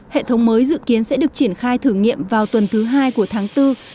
hệ thống mới dự kiến sẽ được triển khai thử nghiệm vào tuần thứ hai của tháng bốn